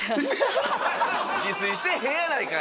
自炊してへんやないかい！